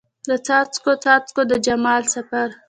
د څاڅکو، څاڅکو د جمال سفر